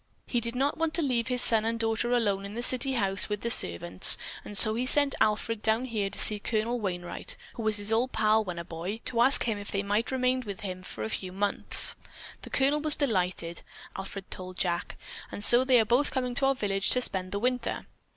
He did not want to leave his son and daughter alone in the city house with the servants, and so he sent Alfred down here to see Colonel Wainright, who was his pal when he was a boy, to ask him if they might remain with him for a few months. The Colonel was delighted, Alfred told Jack, and so they are both coming to our village to spend the winter."